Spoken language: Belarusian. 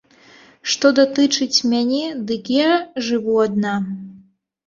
Што датычыць мяне, дык я жыву адна.